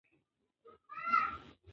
موږ د خپل کلتور ویاړونه په ګډه لمانځو.